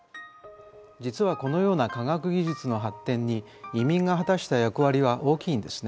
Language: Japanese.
実はこのような科学技術の発展に移民が果たした役割は大きいんですね。